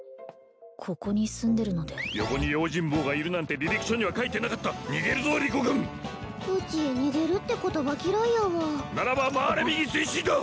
ここに住んでるので横に用心棒がいるなんて履歴書には書いてなかった逃げるぞリコ君うち逃げるって言葉嫌いやわならば回れ右前進だ！